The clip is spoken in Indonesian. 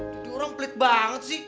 jadi orang pelit banget